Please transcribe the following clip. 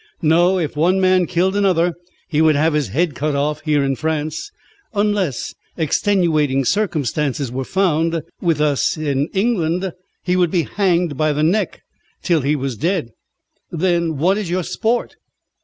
"No. If one man killed another he would have his head cut off here in France unless extenuating circumstances were found. With us in England he would be hanged by the neck till he was dead." "Then what is your sport?"